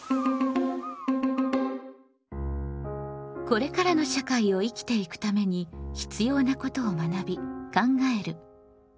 これからの社会を生きていくために必要なことを学び考える「公共」。